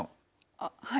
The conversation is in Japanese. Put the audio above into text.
あっはい。